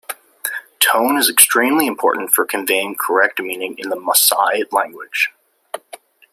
Tone is extremely important for conveying correct meaning in the Maasai language.